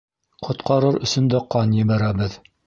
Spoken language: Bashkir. Ҡотҡарыр өсөн дә ҡан ебәрәбеҙ!